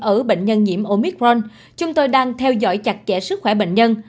ở bệnh nhân nhiễm omicron chúng tôi đang theo dõi chặt chẽ sức khỏe bệnh nhân